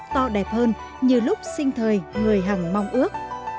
to đẹp hơn như lúc sinh thời người hằng mong ước